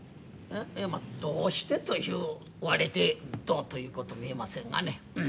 いやまあどうしてと言われてどうということも言えませんがね。